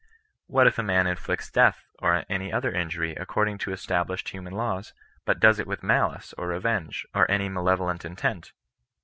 " What if a man inflicts death or any other injury, according to established human laws, but does it without malice, or revenge, or any malevolent intent?